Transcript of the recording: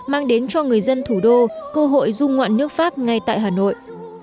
mang đến cho người dân thủ đô cơ hội du ngoạn nước pháp ngay tại hà nội